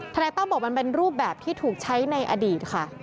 นายตั้มบอกมันเป็นรูปแบบที่ถูกใช้ในอดีตค่ะ